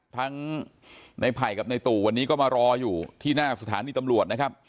ทั้งในไผ่กับในตู่วันนี้ก็มารออยู่ที่หน้าสถานีตำรวจนะครับ